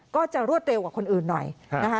ก็จะรวดเร็วกว่าคนอื่นหน่อยนะคะ